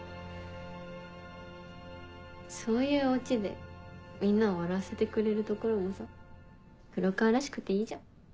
そういうオチでみんなを笑わせてくれるところもさ黒川らしくていいじゃん。